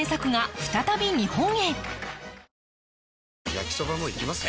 焼きソバもいきます？